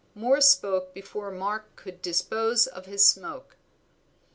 Moor spoke before Mark could dispose of his smoke.